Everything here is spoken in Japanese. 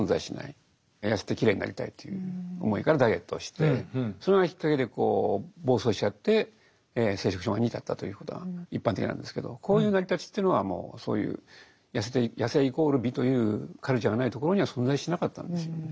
痩せてきれいになりたいという思いからダイエットをしてそれがきっかけで暴走しちゃって摂食障害に至ったということが一般的なんですけどこういう成り立ちというのはそういう痩せイコール美というカルチャーがないところには存在しなかったんですよね。